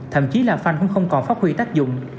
thậm chí là phanh cũng không còn phát huy tác dụng